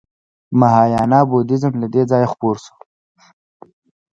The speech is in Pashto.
مهایانا بودیزم له دې ځایه خپور شو